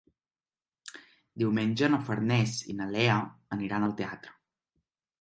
Diumenge na Farners i na Lea aniran al teatre.